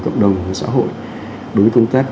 cộng đồng và xã hội đối với công tác